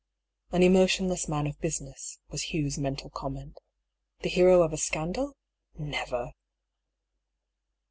^' An emotionless man of business," was Hugh's mental comment. '^ The hero of a scandal ? Never